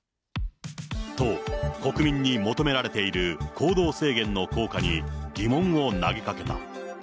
と、国民に求められている行動制限の効果に、疑問を投げかけた。